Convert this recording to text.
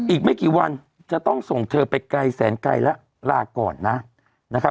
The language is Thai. อีกไม่กี่วันจะต้องส่งเธอไปไกลแสนไกลแล้วลาก่อนนะนะครับ